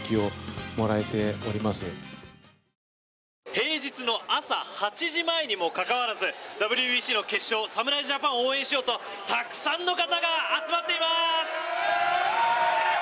平日の朝８時前にもかかわらずＷＢＣの決勝侍ジャパンを応援しようとたくさんの方が集まっています。